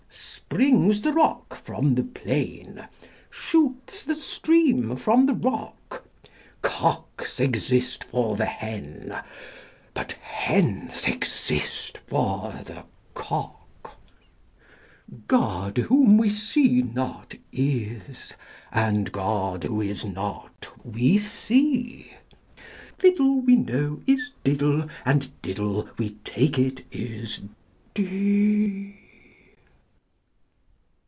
Springs the rock from the plain, shoots the stream from the rock: Cocks exist for the hen: but hens exist for the cock. God, whom we see not, is: and God, who is not, we see: Fiddle, we know, is diddle: and diddle, we take it, is dee.